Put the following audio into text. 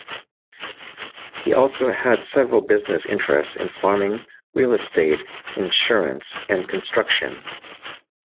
He also had several business interests in farming, real estate, insurance, and construction.